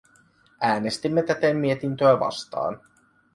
Äänestimme täten mietintöä vastaan.